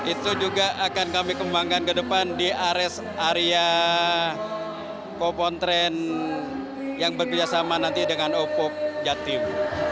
itu juga akan kami kembangkan ke depan di area popontren yang bekerjasama nanti dengan opop jatim